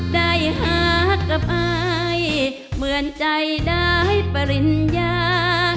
ได้หากับอายเหมือนใจได้ปริญญา